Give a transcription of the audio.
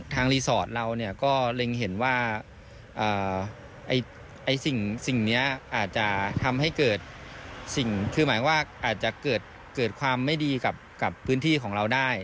ทางรีสอร์ทเราก็ลึงเห็นว่าสิ่งนี้อาจจะทำให้เกิดความไม่ดีกับพื้นที่ของเราได้